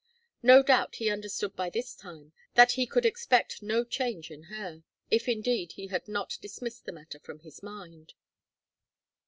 No doubt he understood by this time that he could expect no change in her, if indeed he had not dismissed the matter from his mind.